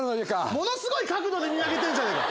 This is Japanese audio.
ものすごい角度で見上げてるじゃねえか。